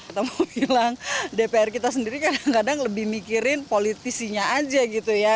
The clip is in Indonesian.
atau mau bilang dpr kita sendiri kadang kadang lebih mikirin politisinya aja gitu ya